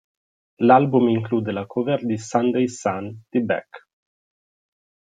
L'album include la cover di "Sunday Sun" di Beck.